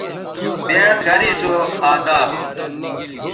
بیاد گرے سو اداب